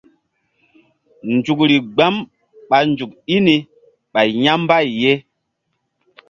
Nzukri gbam ɓa nzuk i ni ɓay ya̧ mbay ye.